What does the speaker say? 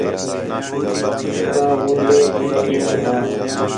کا غُنڈے ہے عِیُّوں ہا